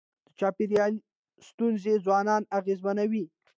د چاپېریال ستونزي ځوانان اغېزمنوي.